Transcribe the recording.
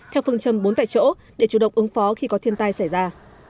theo phương châm bốn tại chỗ để chủ động ứng phó khi có thiên tai xảy ra